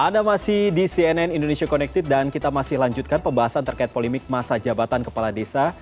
anda masih di cnn indonesia connected dan kita masih lanjutkan pembahasan terkait polemik masa jabatan kepala desa